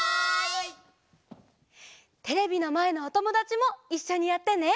テレビのまえのおともだちもいっしょにやってね！